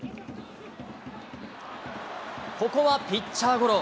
ここはピッチャーゴロ。